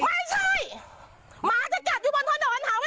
ไม่ใช่หมาจะกัดอยู่บนถนนหาว่าด่าเกินไป